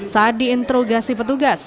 saat diinterogasi petugas